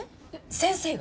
先生が？